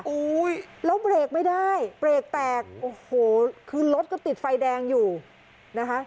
อุ้ยแล้วเบรกไม่ได้เบรกแตกโอ้โหคือรถก็ติดไฟแดงอยู่นะคะ